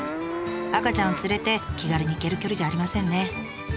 赤ちゃんを連れて気軽に行ける距離じゃありませんね。